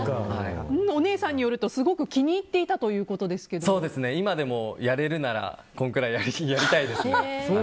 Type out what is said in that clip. お姉さんによるとすごく気に入っていた今でもやれるならこのくらいやりたいですね。